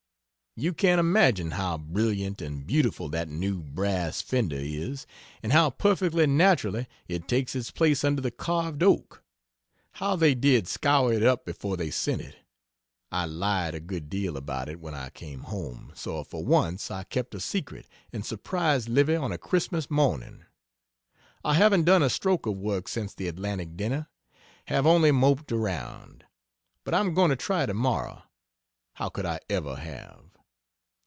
You can't imagine how brilliant and beautiful that new brass fender is, and how perfectly naturally it takes its place under the carved oak. How they did scour it up before they sent it! I lied a good deal about it when I came home so for once I kept a secret and surprised Livy on a Christmas morning! I haven't done a stroke of work since the Atlantic dinner; have only moped around. But I'm going to try tomorrow. How could I ever have.